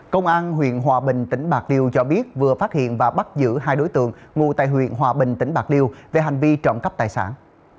công an huyện hòa bình tỉnh bạc liêu cho biết vừa phát hiện và bắt giữ hai đối tượng ngụ tại huyện hòa bình tỉnh bạc liêu về hành vi trộm cắp tài sản